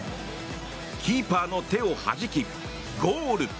キーパーの手をはじきゴール！